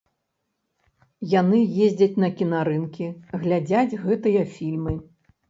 Яны ездзяць на кінарынкі, глядзяць гэтыя фільмы.